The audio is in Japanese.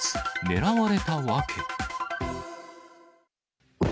狙われた訳。